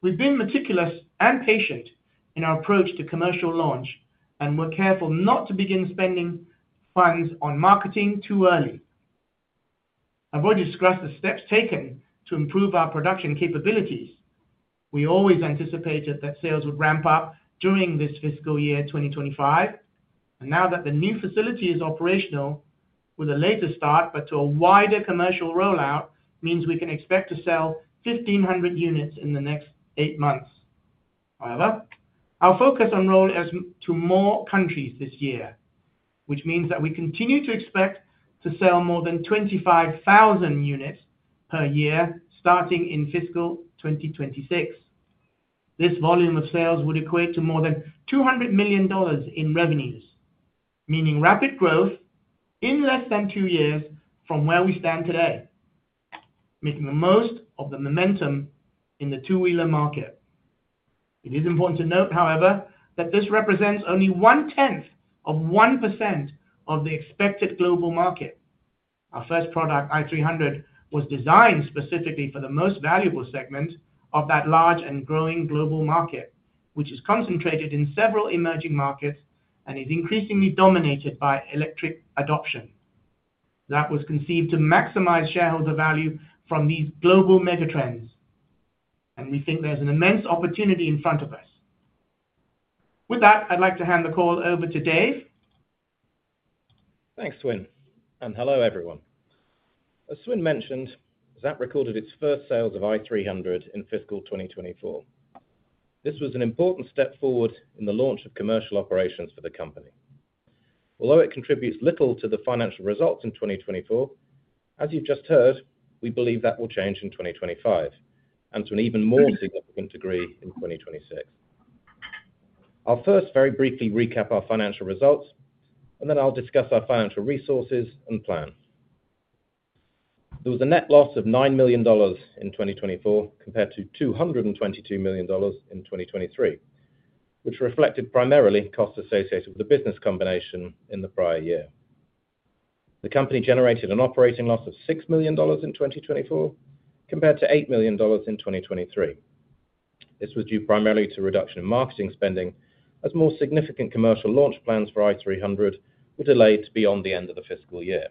We've been meticulous and patient in our approach to commercial launch, and we're careful not to begin spending funds on marketing too early. I've already discussed the steps taken to improve our production capabilities. We always anticipated that sales would ramp up during this fiscal year 2025, and now that the new facility is operational, with a later start but to a wider commercial rollout, means we can expect to sell 1,500 units in the next eight months. However, our focus extends to more countries this year, which means that we continue to expect to sell more than 25,000 units per year starting in fiscal 2026. This volume of sales would equate to more than $200 million in revenues, meaning rapid growth in less than two years from where we stand today, making the most of the momentum in the two-wheeler market. It is important to note, however, that this represents only one-tenth of 1% of the expected global market. Our first product, i300, was designed specifically for the most valuable segment of that large and growing global market, which is concentrated in several emerging markets and is increasingly dominated by electric adoption. That was conceived to maximize shareholder value from these global megatrends, and we think there's an immense opportunity in front of us. With that, I'd like to hand the call over to Dave. Thanks, Swin, and hello, everyone. As Swin mentioned, Zapp recorded its first sales of i300 in fiscal 2024. This was an important step forward in the launch of commercial operations for the company. Although it contributes little to the financial results in 2024, as you've just heard, we believe that will change in 2025 and to an even more significant degree in 2026. I'll first very briefly recap our financial results, and then I'll discuss our financial resources and plan. There was a net loss of $9 million in 2024 compared to $222 million in 2023, which reflected primarily costs associated with the business combination in the prior year. The company generated an operating loss of $6 million in 2024 compared to $8 million in 2023. This was due primarily to a reduction in marketing spending, as more significant commercial launch plans for i300 were delayed beyond the end of the fiscal year.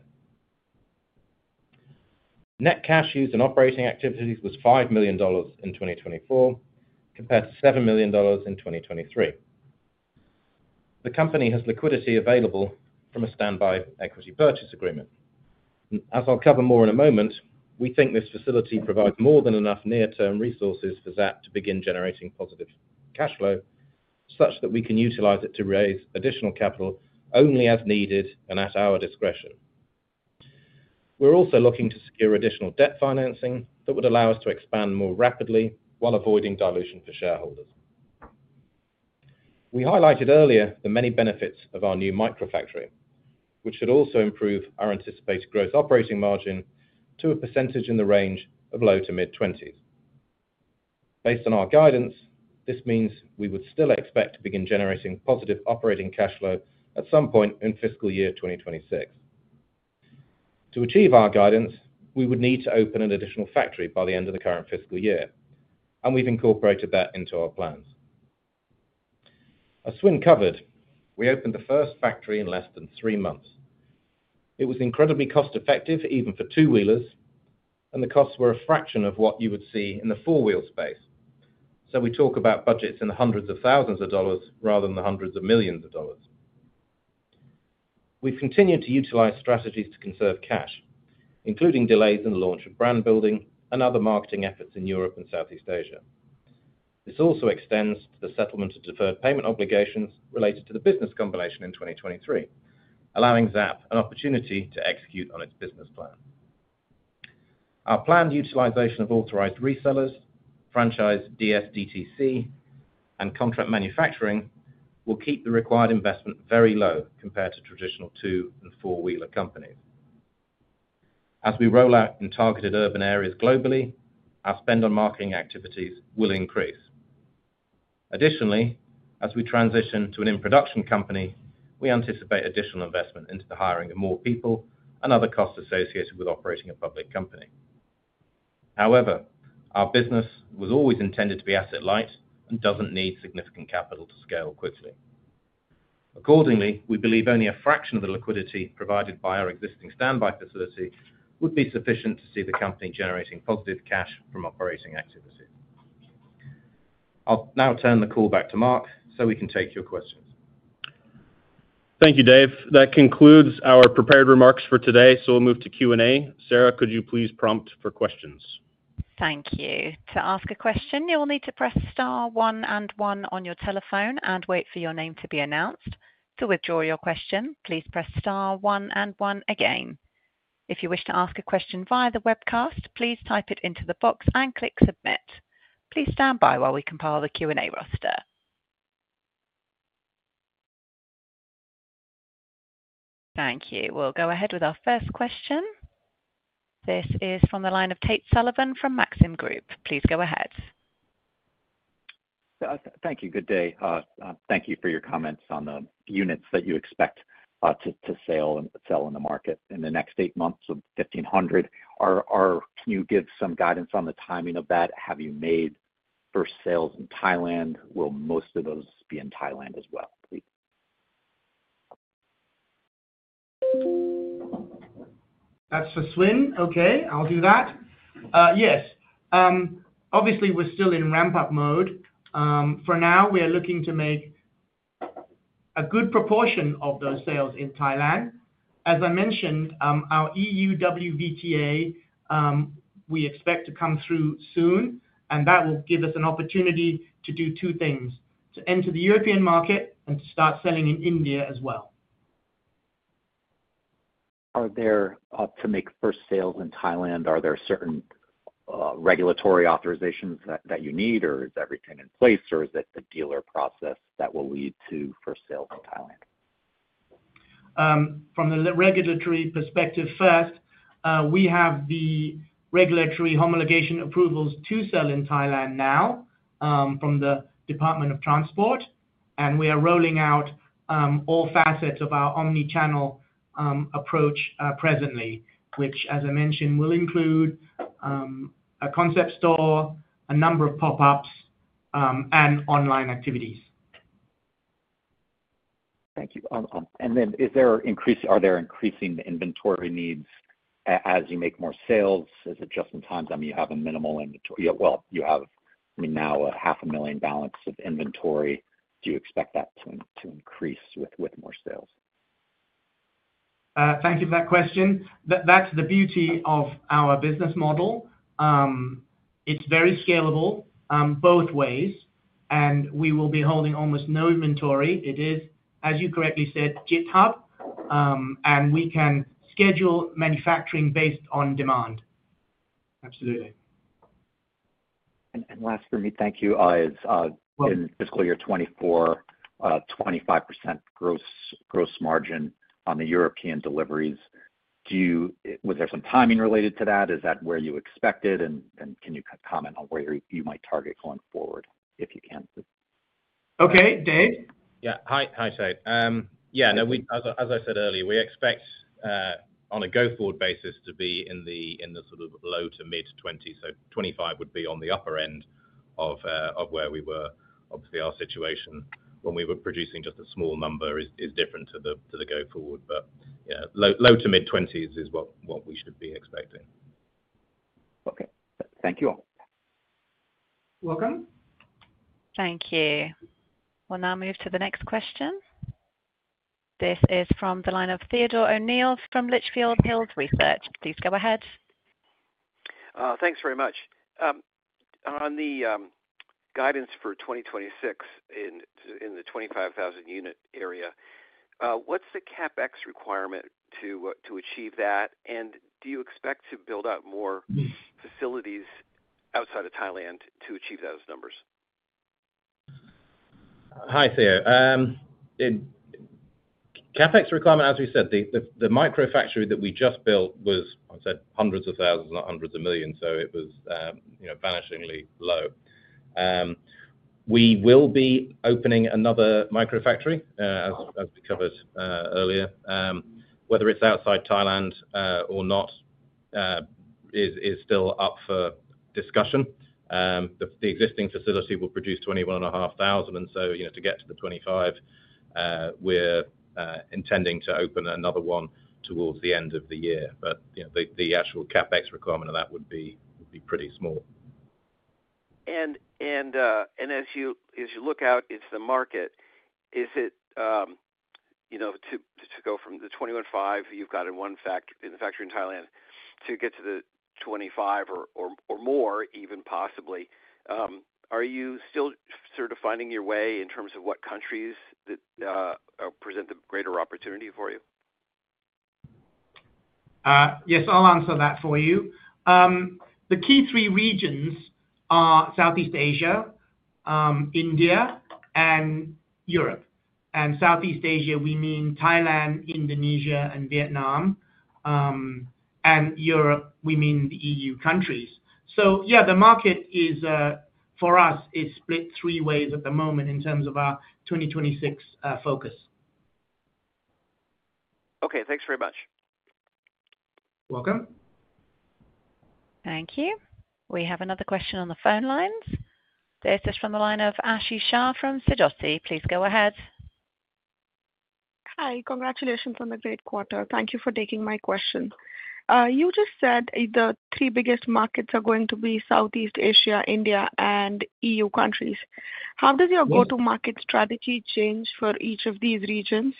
Net cash used in operating activities was $5 million in 2024 compared to $7 million in 2023. The company has liquidity available from a standby equity purchase agreement. As I'll cover more in a moment, we think this facility provides more than enough near-term resources for Zapp to begin generating positive cash flow such that we can utilize it to raise additional capital only as needed and at our discretion. We're also looking to secure additional debt financing that would allow us to expand more rapidly while avoiding dilution for shareholders. We highlighted earlier the many benefits of our new microfactory, which should also improve our anticipated gross operating margin to a percentage in the range of low- to mid-20s%. Based on our guidance, this means we would still expect to begin generating positive operating cash flow at some point in fiscal year 2026. To achieve our guidance, we would need to open an additional factory by the end of the current fiscal year, and we've incorporated that into our plans. As Swin covered, we opened the first factory in less than three months. It was incredibly cost-effective, even for two-wheelers, and the costs were a fraction of what you would see in the four-wheel space. So we talk about budgets in the hundreds of thousands of dollars rather than the hundreds of millions of dollars. We've continued to utilize strategies to conserve cash, including delays in the launch of brand building and other marketing efforts in Europe and Southeast Asia. This also extends to the settlement of deferred payment obligations related to the business combination in 2023, allowing Zapp an opportunity to execute on its business plan. Our planned utilization of authorized resellers, franchise DSDTC, and contract manufacturing will keep the required investment very low compared to traditional two- and four-wheeler companies. As we roll out in targeted urban areas globally, our spend on marketing activities will increase. Additionally, as we transition to an in-production company, we anticipate additional investment into the hiring of more people and other costs associated with operating a public company. However, our business was always intended to be asset-light and doesn't need significant capital to scale quickly. Accordingly, we believe only a fraction of the liquidity provided by our existing standby facility would be sufficient to see the company generating positive cash from operating activity. I'll now turn the call back to Mark so we can take your questions. Thank you, Dave. That concludes our prepared remarks for today, so we'll move to Q&A. Sarah, could you please prompt for questions? Thank you. To ask a question, you will need to press star one and one on your telephone and wait for your name to be announced. To withdraw your question, please press star one and one again. If you wish to ask a question via the webcast, please type it into the box and click submit. Please stand by while we compile the Q&A roster. Thank you. We'll go ahead with our first question. This is from the line of Tate Sullivan from Maxim Group. Please go ahead. Thank you. Good day. Thank you for your comments on the units that you expect to sell in the market in the next eight months of 1,500. Can you give some guidance on the timing of that? Have you made first sales in Thailand? Will most of those be in Thailand as well, please? That's for Swin. Okay, I'll do that. Yes. Obviously, we're still in ramp-up mode. For now, we are looking to make a good proportion of those sales in Thailand. As I mentioned, our EUW VTA we expect to come through soon, and that will give us an opportunity to do two things: to enter the European market and to start selling in India as well. Are there to make first sales in Thailand? Are there certain regulatory authorizations that you need, or is everything in place, or is it the dealer process that will lead to first sales in Thailand? From the regulatory perspective first, we have the regulatory homologation approvals to sell in Thailand now from the Department of Land Transport, and we are rolling out all facets of our omnichannel approach presently, which, as I mentioned, will include a concept store, a number of pop-ups, and online activities. Thank you. And then are there increasing inventory needs as you make more sales? Is it just-in-time? I mean, you have a minimal inventory. Well, you have now a $500,000 balance of inventory. Do you expect that to increase with more sales? Thank you for that question. That's the beauty of our business model. It's very scalable both ways, and we will be holding almost no inventory. It is, as you correctly said, just-in-time, and we can schedule manufacturing based on demand. Absolutely. And last for me, thank you. In fiscal year 2024, 25% gross margin on the European deliveries. Was there some timing related to that? Is that where you expected, and can you comment on where you might target going forward if you can? Okay, Dave? Yeah, hi, Tate. Yeah, no, as I said earlier, we expect on a go-forward basis to be in the sort of low to mid-20s. So 25 would be on the upper end of where we were. Obviously, our situation when we were producing just a small number is different to the go-forward, but low to mid-20s is what we should be expecting. Okay. Thank you all. Welcome. Thank you. We'll now move to the next question. This is from the line of Theodore O'Neill from Litchfield Hills Research. Please go ahead. Thanks very much. On the guidance for 2026 in the 25,000 unit area, what's the CapEx requirement to achieve that, and do you expect to build out more facilities outside of Thailand to achieve those numbers? Hi, there. CapEx requirement, as we said, the microfactory that we just built was, I'd say, hundreds of thousands, not hundreds of millions, so it was vanishingly low. We will be opening another microfactory, as we covered earlier. Whether it's outside Thailand or not is still up for discussion. The existing facility will produce 21,500, and so to get to the 25, we're intending to open another one towards the end of the year, but the actual CapEx requirement of that would be pretty small. As you look out into the market, is it to go from the 21,500 you've got in one factory in Thailand to get to the 25 or more, even possibly, are you still sort of finding your way in terms of what countries present the greater opportunity for you? Yes, I'll answer that for you. The key three regions are Southeast Asia, India, and Europe. And Southeast Asia, we mean Thailand, Indonesia, and Vietnam, and Europe, we mean the EU countries. So yeah, the market for us is split three ways at the moment in terms of our 2026 focus. Okay, thanks very much. Welcome. Thank you. We have another question on the phone lines. This is from the line of Aashi Shah from Sidoti. Please go ahead. Hi, congratulations on the great quarter. Thank you for taking my question. You just said the three biggest markets are going to be Southeast Asia, India, and EU countries. How does your go-to-market strategy change for each of these regions?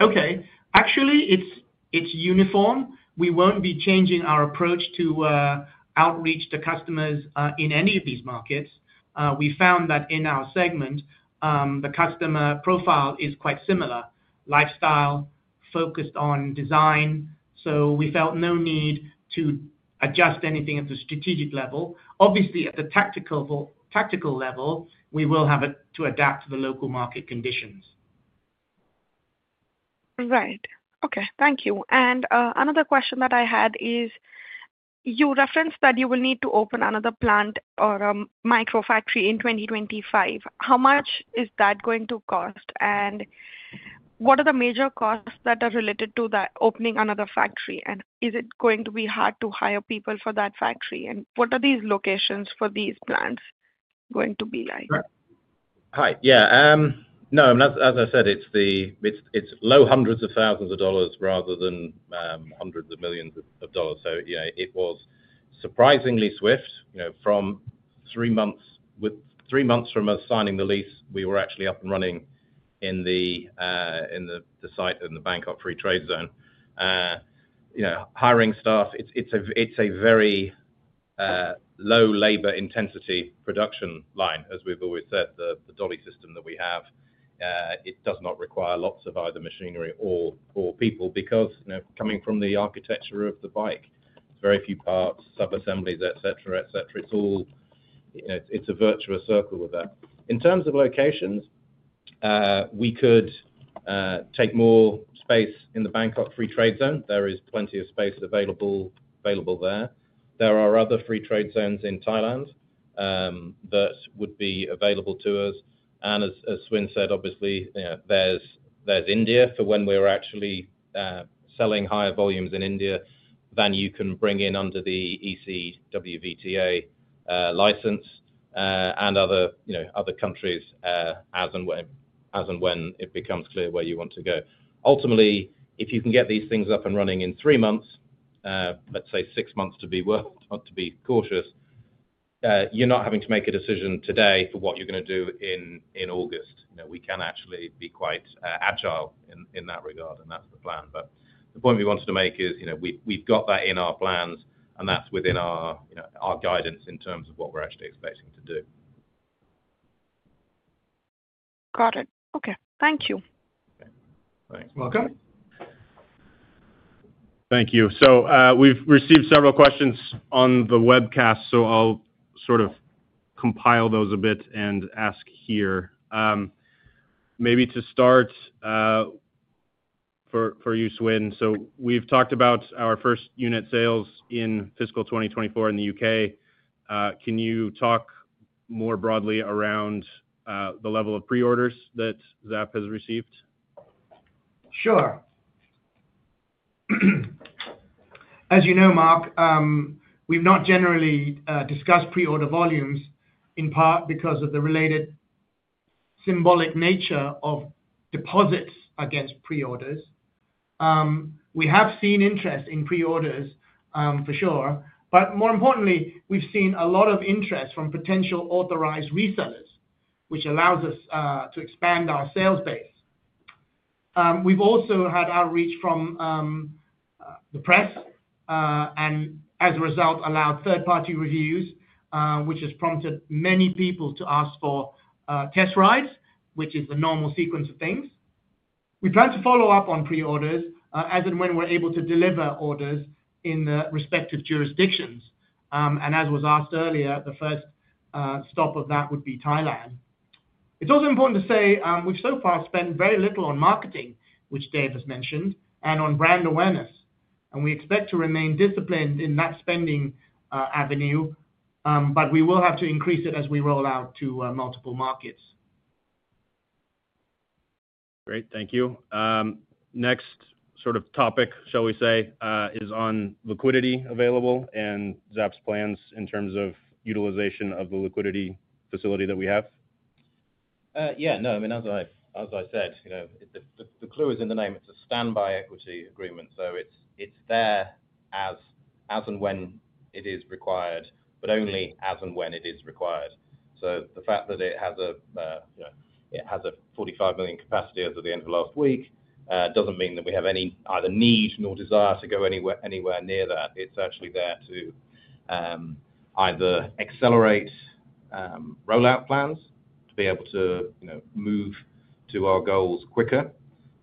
Okay. Actually, it's uniform. We won't be changing our approach to outreach to customers in any of these markets. We found that in our segment, the customer profile is quite similar: lifestyle, focused on design. So we felt no need to adjust anything at the strategic level. Obviously, at the tactical level, we will have to adapt to the local market conditions. Right. Okay, thank you. And another question that I had is you referenced that you will need to open another plant or a microfactory in 2025. How much is that going to cost, and what are the major costs that are related to that opening another factory? And is it going to be hard to hire people for that factory? And what are these locations for these plants going to be like? Hi. Yeah. No, as I said, it's low hundreds of thousands of dollars rather than hundreds of millions of dollars. So it was surprisingly swift. From three months from us signing the lease, we were actually up and running in the site in the Bangkok Free Trade Zone. Hiring staff, it's a very low-labor-intensity production line, as we've always said. The dolly system that we have, it does not require lots of either machinery or people because coming from the architecture of the bike, it's very few parts, sub-assemblies, etc., etc. It's a virtuous circle with that. In terms of locations, we could take more space in the Bangkok Free Trade Zone. There is plenty of space available there. There are other free trade zones in Thailand that would be available to us. And as Swin said, obviously, there's India for when we're actually selling higher volumes in India than you can bring in under the EUWVTA license and other countries as and when it becomes clear where you want to go. Ultimately, if you can get these things up and running in three months, let's say six months to be cautious, you're not having to make a decision today for what you're going to do in August. We can actually be quite agile in that regard, and that's the plan. But the point we wanted to make is we've got that in our plans, and that's within our guidance in terms of what we're actually expecting to do. Got it. Okay, thank you. Thanks. Welcome. Thank you, so we've received several questions on the webcast, so I'll sort of compile those a bit and ask here. Maybe to start for you, Swin, so we've talked about our first unit sales in fiscal 2024 in the U.K. Can you talk more broadly around the level of pre-orders that Zapp has received? Sure. As you know, Mark, we've not generally discussed pre-order volumes in part because of the related symbolic nature of deposits against pre-orders. We have seen interest in pre-orders for sure, but more importantly, we've seen a lot of interest from potential authorized resellers, which allows us to expand our sales base. We've also had outreach from the press and, as a result, allowed third-party reviews, which has prompted many people to ask for test rides, which is the normal sequence of things. We plan to follow up on pre-orders as and when we're able to deliver orders in the respective jurisdictions, and as was asked earlier, the first stop of that would be Thailand. It's also important to say we've so far spent very little on marketing, which Dave has mentioned, and on brand awareness. We expect to remain disciplined in that spending avenue, but we will have to increase it as we roll out to multiple markets. Great. Thank you. Next sort of topic, shall we say, is on liquidity available and Zapp's plans in terms of utilization of the liquidity facility that we have. Yeah. No, I mean, as I said, the clue is in the name. It's a standby equity agreement, so it's there as and when it is required, but only as and when it is required. So the fact that it has a 45 million capacity as of the end of last week doesn't mean that we have any either need nor desire to go anywhere near that. It's actually there to either accelerate rollout plans to be able to move to our goals quicker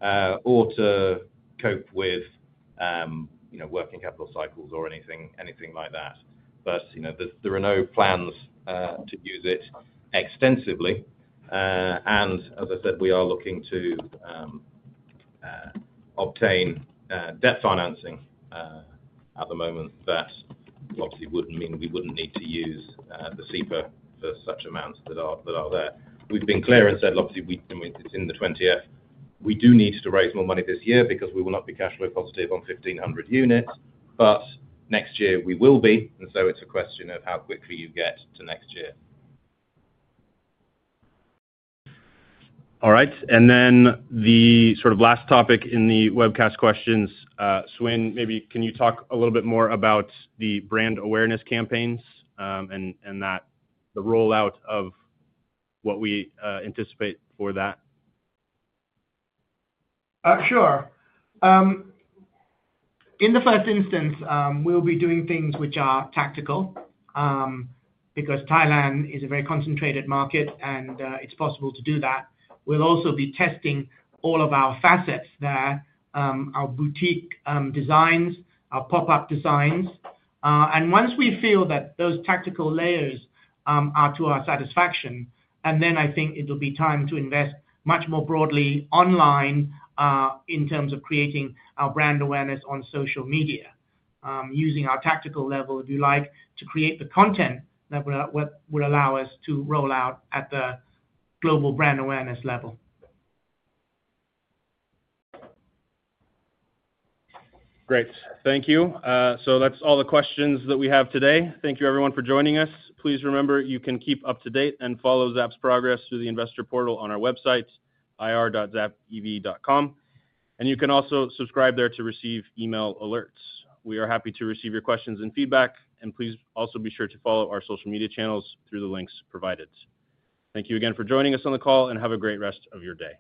or to cope with working capital cycles or anything like that. But there are no plans to use it extensively. And as I said, we are looking to obtain debt financing at the moment that obviously would mean we wouldn't need to use the SEPA for such amounts that are there. We've been clear and said, obviously, it's in the 20-F. We do need to raise more money this year because we will not be cash flow positive on 1,500 units, but next year we will be. And so it's a question of how quickly you get to next year. All right. And then the sort of last topic in the webcast questions, Swin, maybe can you talk a little bit more about the brand awareness campaigns and the rollout of what we anticipate for that? Sure. In the first instance, we'll be doing things which are tactical because Thailand is a very concentrated market, and it's possible to do that. We'll also be testing all of our facets there, our boutique designs, our pop-up designs, and once we feel that those tactical layers are to our satisfaction, and then I think it'll be time to invest much more broadly online in terms of creating our brand awareness on social media using our tactical level, if you like, to create the content that would allow us to roll out at the global brand awareness level. Great. Thank you. So that's all the questions that we have today. Thank you, everyone, for joining us. Please remember you can keep up to date and follow Zapp's progress through the investor portal on our website, ir.zappev.com. And you can also subscribe there to receive email alerts. We are happy to receive your questions and feedback, and please also be sure to follow our social media channels through the links provided. Thank you again for joining us on the call, and have a great rest of your day.